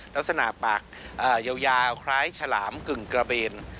ลักษณะปากยาวคล้ายฉลามกึ่งกระเบน